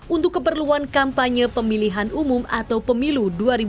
untuk keperluan kampanye pemilihan umum atau pemilu dua ribu dua puluh